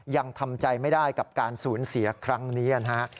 ยังทำใจไม่ได้กับการสูญเสียครั้งนี้นะฮะ